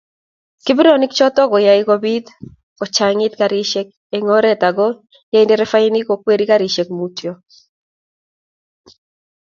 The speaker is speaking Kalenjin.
kebenwogik choto koyae kobiit kochangit karishek eng oret ago yae nderefainik kokweri karishek Mutyo